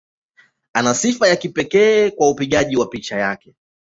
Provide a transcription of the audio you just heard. Ana sifa ya kipekee kwa upigaji picha wake.